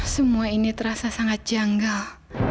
semua ini terasa sangat janggal